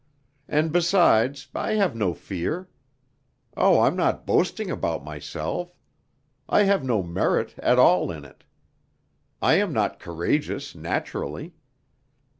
And besides, I have no fear. Oh, I'm not boasting about myself! I have no merit at all in it. I am not courageous naturally.